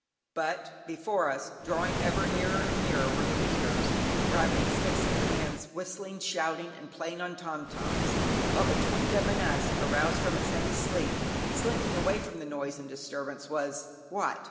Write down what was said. But, before us, drawing ever nearer and nearer, were the beaters, rattling sticks and cans, whistling, shouting, and playing on "tom toms," while between them and us, aroused from its heavy sleep, slinking away from the noise and disturbance was what?